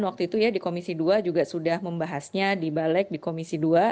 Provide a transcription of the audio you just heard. waktu itu ya di komisi dua juga sudah membahasnya di balik di komisi dua